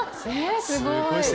すごい！